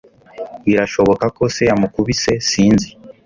Birashoboka ko se yamukubise - Sinzi.